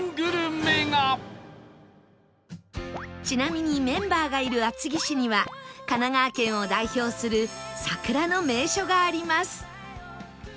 ちなみにメンバーがいる厚木市には神奈川県を代表する桜の名所があります